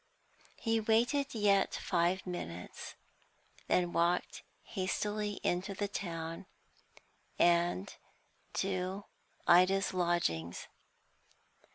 He waited yet five minutes, then walked hastily into the town, and to Ida's lodgings.